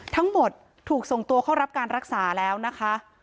ทั้งหมดถูกส่งตัวเข้ารับการรักษาแล้วนะคะ